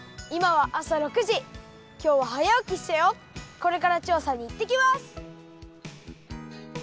これからちょうさにいってきます！